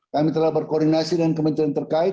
kami telah berkoordinasi dengan kementerian terkait